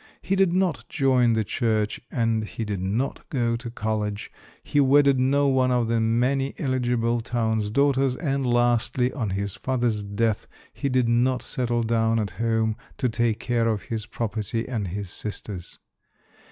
He did not join the church and he did not go to college, he wedded no one of the many eligible town's daughters, and, lastly, on his father's death he did not settle down at home, to take care of his property and his sisters.